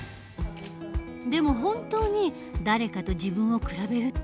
でも本当に誰かと自分を比べるって必要？